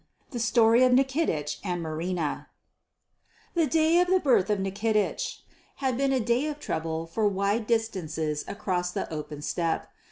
THE STORY OF NIKITICH AND MARINA The day of the birth of Nikitich had been a day of trouble for wide distances across the open steppe.